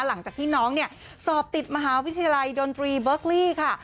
หลังจากที่น้องเนี่ยสอบติดมหาวิทยาลัยดนตรีเบิร์กลี่ค่ะ